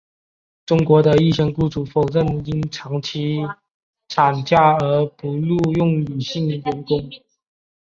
中国的一些雇主否认因长期产假而不录用女性员工。